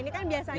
ini kan biasanya